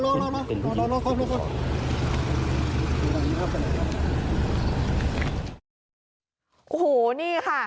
โอ้โหนี่ค่ะ